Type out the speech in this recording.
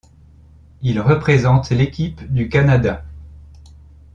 Il représente l'équipe du Canada.